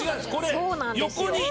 そうなんですよ。